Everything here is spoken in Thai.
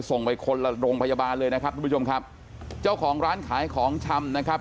ส่งไปคนละโรงพยาบาลเลยนะครับทุกผู้ชมครับเจ้าของร้านขายของชำนะครับ